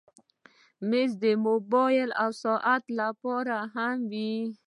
مېز د موبایل او ساعت لپاره هم وي.